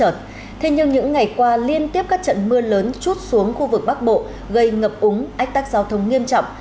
thế nhưng những ngày qua liên tiếp các trận mưa lớn chút xuống khu vực bắc bộ gây ngập úng ách tắc giao thông nghiêm trọng